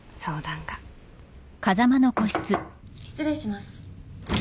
失礼します。